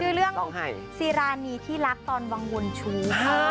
คือเรื่องซีรานีที่รักตอนวังวนชู้